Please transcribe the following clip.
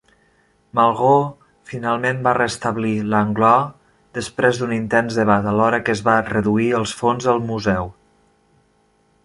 Malraux finalment va restablir Langlois després d'un intens debat, alhora que va reduir els fons del museu.